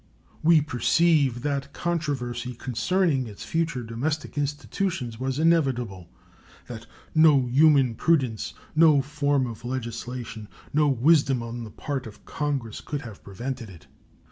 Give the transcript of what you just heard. We perceive that controversy concerning its future domestic institutions was inevitable; that no human prudence, no form of legislation, no wisdom on the part of Congress, could have prevented it.